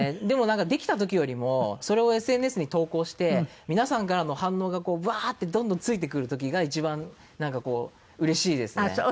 でもなんかできた時よりもそれをＳＮＳに投稿して皆さんからの反応がこうブワッてどんどんついてくる時が一番なんかうれしいですね。